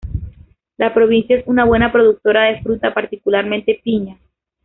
La provincia es una buena productora de fruta, particularmente piña.